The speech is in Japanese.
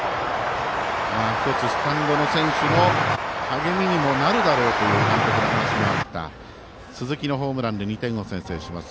１つ、スタンドの選手の励みにもなるだろうという監督の話もあった鈴木のホームランで２点を先制します。